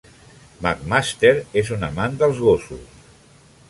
McMaster és un amant dels gossos.